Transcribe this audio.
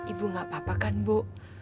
ibu gak apa apa kan bu